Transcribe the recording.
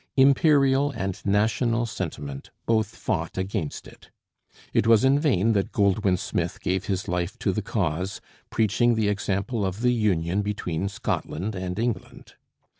Imperial and national sentiment both fought against it. It was in vain that Goldwin Smith gave his life to the cause, preaching the example of the union between Scotland and England.